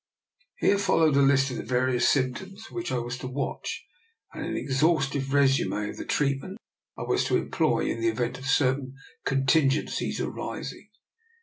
(Here followed a list of the various symp toms for which I was to watch, and an ex haustive resume of the treatment I was to em ploy in the event of certain contingencies arising.)